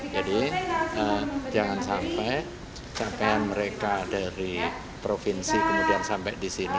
jadi jangan sampai capaian mereka dari provinsi kemudian sampai di sini